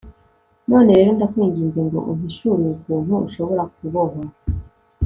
none rero, ndakwinginze ngo umpishurire ukuntu ushobora kubohwa